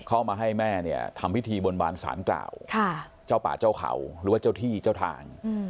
เข้ามาให้แม่เนี่ยทำพิธีบนบานสารกล่าวเจ้าป่าเจ้าเขาหรือว่าเจ้าที่เจ้าทาง